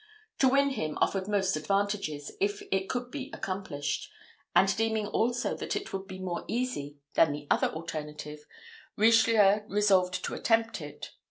To win him offered most advantages, if it could be accomplished; and deeming also that it would be more easy than the other alternative, Richelieu resolved to attempt it.